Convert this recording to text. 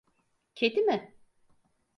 Kedi mi?